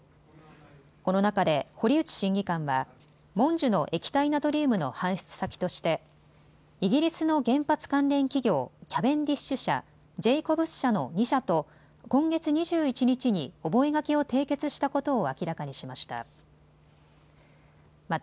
この中で堀江審議官はもんじゅの液体ナトリウムの搬出先としてイギリスの原発関連企業、キャベンディッシュ社、ジェイコブス社の２社と今月２１日に覚書を締結したことを明らかにしました。